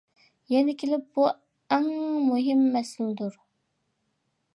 يەنە كېلىپ بۇ ئەڭ مۇھىم مەسىلىدۇر.